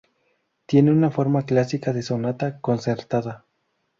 Tiene una forma clásica de sonata concertada.